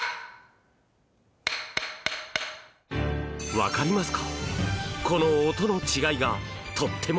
わかりますか？